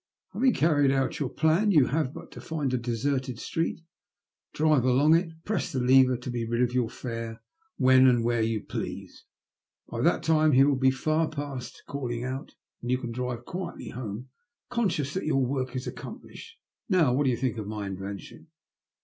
Having carried out your plan you have but to find a deserted street, drive along it, depress the lever, and be rid of your fare when and where you please. By that time he will be far past calling out, and you can drive quietly home, conscious that your work is accomplished. Now what do think of my invention